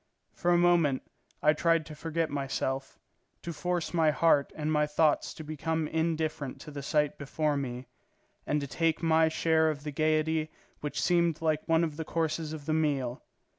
For a moment I tried to forget myself, to force my heart and my thoughts to become indifferent to the sight before me, and to take my share of that gaiety which seemed like one of the courses of the meal.